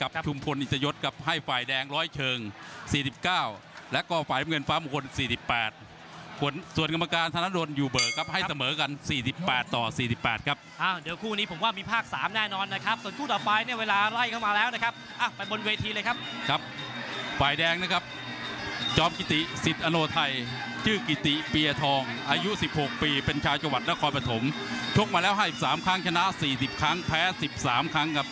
ครับฝ่ายแดงนะครับจอมกิติสิทธิ์อโนไทยชื่อกิติปียทองอายุสิบหกปีเป็นชาวจัวร์นครปฐมชกมาแล้วห้าสิบสามครั้งชนะสี่สิบครั้งแพ้สิบสามครั้งครับ